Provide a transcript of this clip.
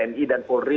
tni dan polri